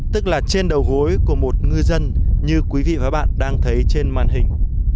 tức là trên đầu gối của một ngư dân như quý vị và các bạn đang thấy trên màn hình